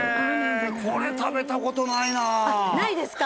これ食べたことないなあないですか？